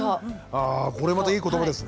あこれまたいいことばですね。